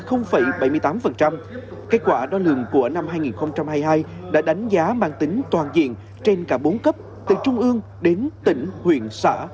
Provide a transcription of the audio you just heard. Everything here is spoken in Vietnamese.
kết quả đo lường của năm hai nghìn hai mươi hai đã đánh giá mang tính toàn diện trên cả bốn cấp từ trung ương đến tỉnh huyện xã